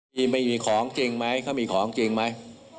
ที่ไม่มีของจริงไหมเขามีของจริงไหม